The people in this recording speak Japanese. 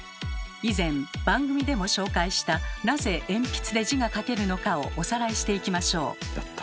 以前番組でも紹介したなぜ鉛筆で字が書けるのかをおさらいしていきましょう。